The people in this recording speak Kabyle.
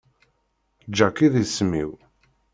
Jack i d isem-iw.